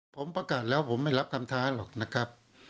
ผมประกาศแล้วผมไม่รับคำท้าหรอกนะครับ